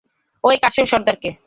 ঐ কাসেম সর্দারকে।